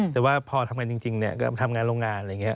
แต่ว่าพอทำงานจริงก็ทำงานโรงงานอะไรอย่างนี้